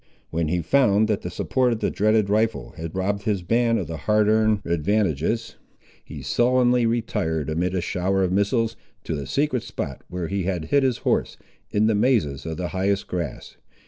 When he found that the support of the dreaded rifle had robbed his band of the hard earned advantages, he sullenly retired amid a shower of missiles, to the secret spot where he had hid his horse, in the mazes of the highest grass.